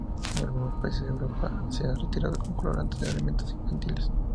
En algunos países de Europa se ha retirado como colorante de alimentos infantiles.